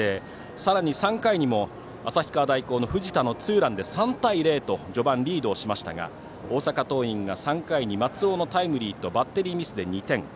さらに３回にも旭川大高の藤田のツーランで３対０と、序盤リードしましたが大阪桐蔭が３回に松尾のタイムリーとバッテリーミスで２点。